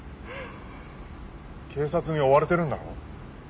警察に追われてるんだろ？